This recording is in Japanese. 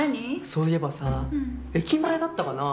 そいえばさ駅前だったかな？